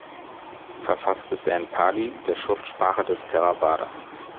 Verfasst ist er in Pali, der Schriftsprache des Theravada.